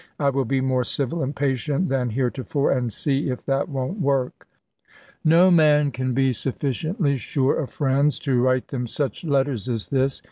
I will be more civil and patient than here tofore, and see if that won't work." No man can CABINET CHANGES 335 be sufficiently sure of friends to write them such CHAP xv letters as this.